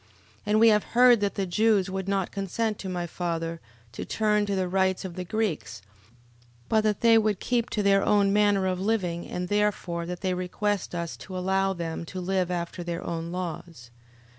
11:24. And we have heard that the Jews would not consent to my father to turn to the rites of the Greeks but that they would keep to their own manner of living and therefore that they request us to allow them to live after their own laws.